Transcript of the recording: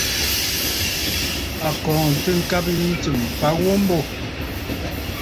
A kɔɔntə ŋgabə yǐ ntsɨ̀m m̀fa ghu mbô.